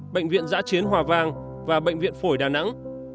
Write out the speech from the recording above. bệnh viện giã chiến hòa vang và bệnh viện phổi đà nẵng